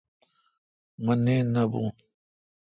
مہ نیند نہ بوُن